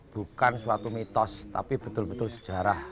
bukan suatu mitos tapi betul betul sejarah